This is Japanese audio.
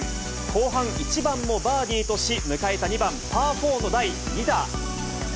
後半１番もバーディーとし、迎えた２番パー４の第２打。